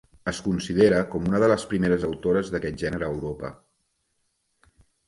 Es considera com una de les primeres autores d'aquest gènere a Europa.